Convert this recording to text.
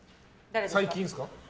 最近ですか？